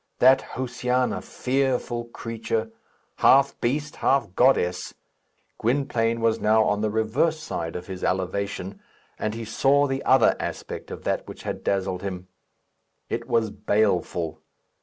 That Josiana, fearful creature! half beast, half goddess! Gwynplaine was now on the reverse side of his elevation, and he saw the other aspect of that which had dazzled him. It was baleful.